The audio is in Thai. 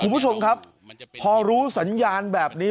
คุณผู้ชมครับพอรู้สัญญาณแบบนี้